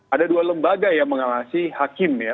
ada dua lembaga yang mengawasi hakim ya